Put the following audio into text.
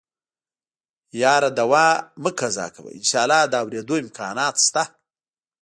يره دوا مه قضا کوه انشاالله د اورېدو امکانات شته.